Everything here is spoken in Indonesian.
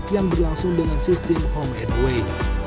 yang berlangsung dengan sistem home and away